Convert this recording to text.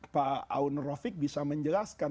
pak aun rofiq bisa menjelaskan